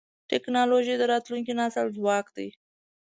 ټکنالوجي د راتلونکي نسل ځواک دی.